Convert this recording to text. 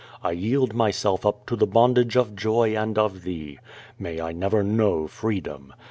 I yield myself up to the bondage of joy and of thee. May I never know freedom.